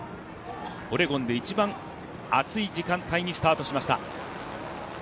オレゴンで一番暑い時間帯にスタートしました。